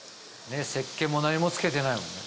せっけんも何も付けてないもんね。